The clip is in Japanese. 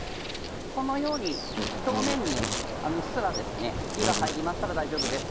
このように表面にうっすら火が入りましたら大丈夫です。